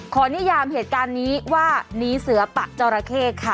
นิยามเหตุการณ์นี้ว่านีเสือปะจราเข้ค่ะ